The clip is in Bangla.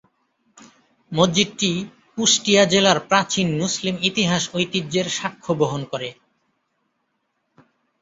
মসজিদটি কুষ্টিয়া জেলার প্রাচীন মুসলিম ইতিহাস ঐতিহ্যের সাক্ষ্য বহন করে।